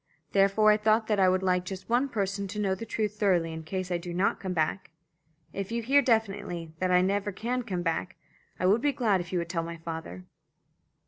Therefore I thought that I would like just one person to know the truth thoroughly in case I do not come back. If you hear definitely that I never can come back, I would be glad if you would tell my father."